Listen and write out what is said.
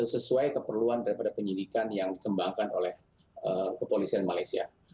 sesuai keperluan daripada penyidikan yang dikembangkan oleh kepolisian malaysia